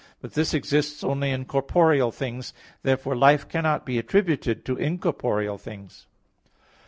But this exists only in corporeal things. Therefore life cannot be attributed to incorporeal things.